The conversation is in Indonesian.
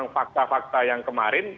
fakta fakta yang kemarin